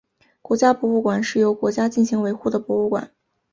国家博物馆是由国家进行维护的博物馆。